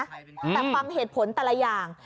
แต่ฟังเหตุผลแต่ละอย่าง